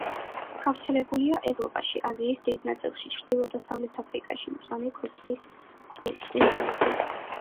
გავრცელებულია ევროპაში, აზიის დიდ ნაწილში, ჩრდილო-დასავლეთ აფრიკაში, მწვანე კონცხის კუნძულებზე.